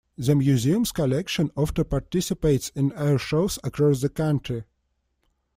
The museum's collection often participates in airshows across the country.